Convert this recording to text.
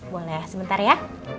boleh sebentar ya